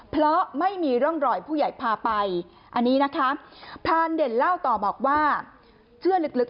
เพราะไม่มีร่องรอยผู้ใหญ่พาไปอันนี้นะคะพรานเด่นเล่าต่อบอกว่าเชื่อลึก